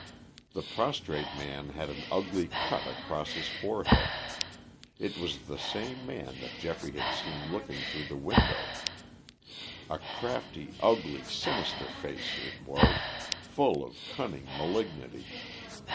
The prostrate man had an ugly cut across his forehead; it was the same man that Geoffrey had seen looking through the window. A crafty, ugly, sinister face it was, full of cunning malignity.